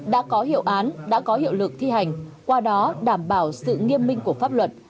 đã có hiệu án đã có hiệu lực thi hành qua đó đảm bảo sự nghiêm minh của pháp luật